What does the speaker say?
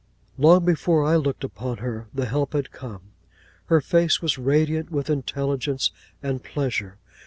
Long before I looked upon her, the help had come. Her face was radiant with intelligence and pleasure.